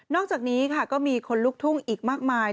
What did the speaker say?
อกจากนี้ค่ะก็มีคนลุกทุ่งอีกมากมาย